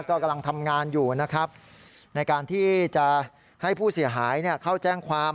ก็กำลังทำงานอยู่นะครับในการที่จะให้ผู้เสียหายเข้าแจ้งความ